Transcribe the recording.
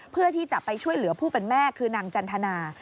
เพื่อที่จะไปช่วยเหลือผู้เป็นแม่คือนางจันทนา